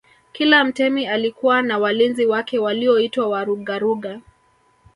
Kila mtemi alikuwa na walinzi wake walioitwa Warugaruga